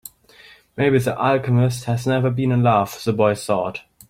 Maybe the alchemist has never been in love, the boy thought.